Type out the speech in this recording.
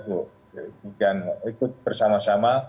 untuk ikut bersama sama